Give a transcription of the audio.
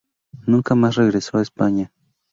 Nunca más regresó a España.